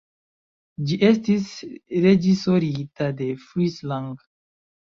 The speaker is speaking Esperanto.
Ĝi estis reĝisorita de Fritz Lang.